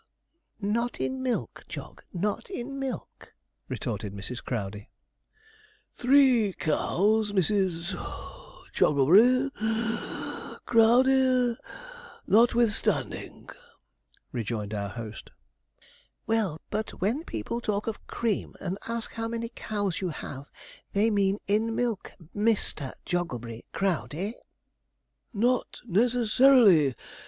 'Not in milk. Jog not in milk,' retorted Mrs. Crowdey. 'Three cows, Mrs. (puff) Jogglebury (wheeze) Crowdey, notwithstanding,' rejoined our host. 'Well; but when people talk of cream, and ask how many cows you have, they mean in milk, Mister Jogglebury Crowdey.' 'Not necessarily.